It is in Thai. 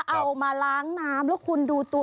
เอามาล้างน้ำแล้วคุณดูตัว